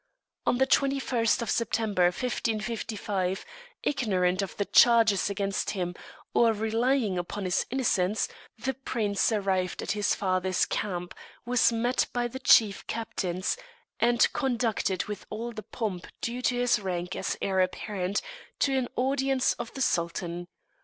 On the 21st September, 1555, ignorant of the charges against him, or relying upon his innocence, the Prince arrived at his father's camp, was met by the chief captains, and conducted with all the pomp due to his rank as heir apparent to an audience of the Sultan.